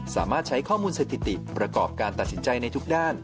สามารถใช้ข้อมูลสถิติประกอบการตัดสินใจในทุกด้าน